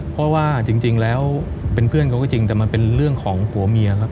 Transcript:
เพราะว่าจริงแล้วเป็นเพื่อนเขาก็จริงแต่มันเป็นเรื่องของผัวเมียครับ